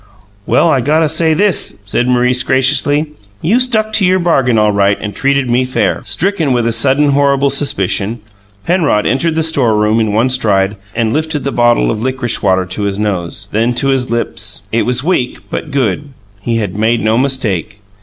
"Well, I gotta say this," said Maurice graciously: "You stuck to your bargain all right and treated me fair." Stricken with a sudden horrible suspicion, Penrod entered the storeroom in one stride and lifted the bottle of licorice water to his nose then to his lips. It was weak, but good; he had made no mistake.